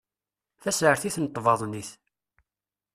Tasertit n tbaḍnit